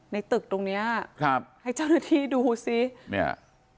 ในตึกตรงเนี้ยครับให้เจ้าหน้าที่ดูซิเนี่ย